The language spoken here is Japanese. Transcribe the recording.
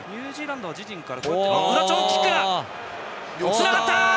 つながった！